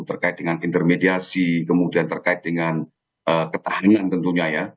terkait dengan intermediasi kemudian terkait dengan ketahanan tentunya ya